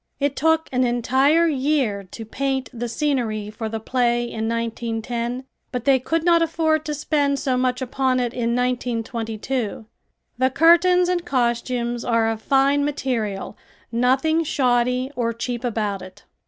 It took an entire year to paint the scenery for the play in 1910, but they could not afford to spend so much upon it in 1922. The curtains and costumes are of fine material, nothing shoddy or cheap about it.